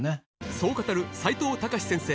そう語る齋藤孝先生